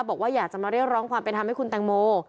บอกว่าอยากจะมาเรียกร้องความเป็นธรรมให้คุณแตงโม